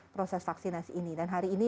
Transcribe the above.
proses vaksinasi ini dan hari ini